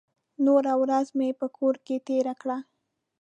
نوره ورځ مې په کور کې تېره کړه.